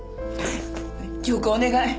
杏子お願い。